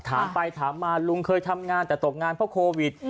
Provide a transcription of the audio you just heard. ถามไปถามมาลุงเคยทำงานแต่ตกงานเพราะโควิด